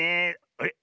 あれ？